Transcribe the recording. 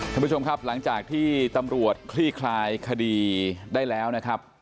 ท่านผู้ชมครับหลังจากที่ตำรวจคลี่คลายคดีได้แล้วนะครับ